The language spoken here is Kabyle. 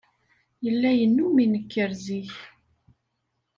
Yella yennum inekker zik.